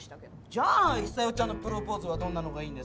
じゃあ久代ちゃんのプロポーズはどんなのがいいんですか？